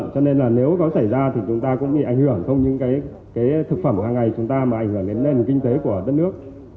cho nên là nếu có xảy ra thì chúng ta cũng bị ảnh hưởng không những cái thực phẩm hàng ngày chúng ta mà ảnh hưởng đến nền kinh tế của đất nước